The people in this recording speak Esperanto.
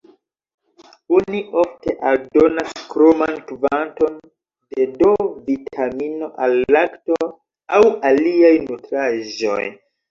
Oni ofte aldonas kroman kvanton de D-vitamino al lakto aŭ aliaj nutraĵoj.